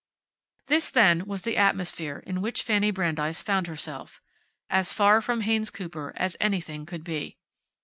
This, then, was the atmosphere in which Fanny Brandeis found herself. As far from Haynes Cooper as anything could be.